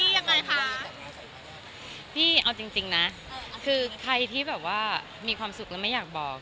ยังไงคะพี่เอาจริงนะคือใครที่แบบว่ามีความสุขแล้วไม่อยากบอก